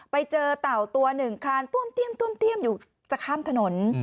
เต่าตัวหนึ่งคลานต้วมเตี้ยมอยู่จะข้ามถนน